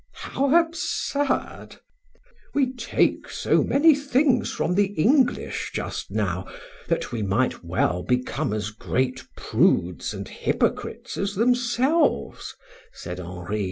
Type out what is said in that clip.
"How absurd!" "We take so many things from the English just now that we might well become as great prudes and hypocrites as themselves," said Henri.